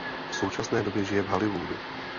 V současné době žije v Hollywoodu.